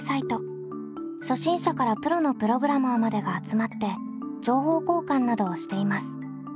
初心者からプロのプログラマーまでが集まって情報交換などをしています。